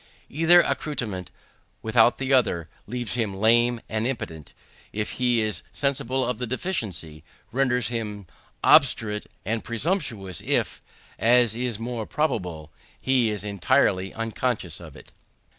Either acquirement, without the other, leaves him lame and impotent if he is sensible of the deficiency; renders him obstinate and presumptuous if, as is more probable, he is entirely unconscious of it.